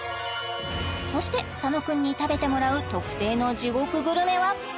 そして佐野くんに食べてもらう特製の地獄グルメは？